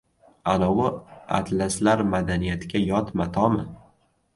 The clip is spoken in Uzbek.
— Anovi atlaslar madaniyatga yot matomi?